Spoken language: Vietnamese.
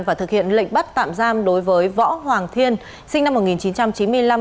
và thực hiện lệnh bắt tạm giam đối với võ hoàng thiên sinh năm một nghìn chín trăm chín mươi năm